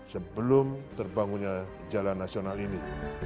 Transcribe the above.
sebelum terbangunnya jalan nasional ini